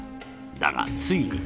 だがついに